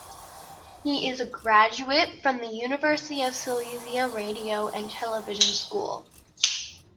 He is a graduate from the University of Silesia Radio and Television school.